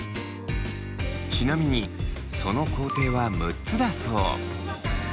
ちなみにその工程は６つだそう。